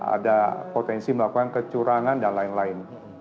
ada potensi melakukan kecurangan dan lain lain